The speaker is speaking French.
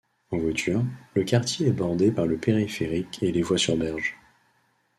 En voiture, le quartier est bordé par le périphérique et les voies sur berge.